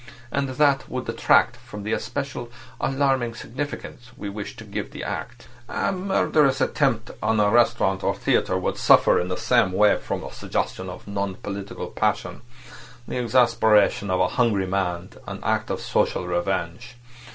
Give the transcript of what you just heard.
And that would detract from the especial alarming significance we wish to give to the act. A murderous attempt on a restaurant or a theatre would suffer in the same way from the suggestion of non political passion: the exasperation of a hungry man, an act of social revenge.